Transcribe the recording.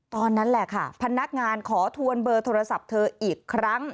นั่นแหละค่ะพนักงานขอทวนเบอร์โทรศัพท์เธออีกครั้ง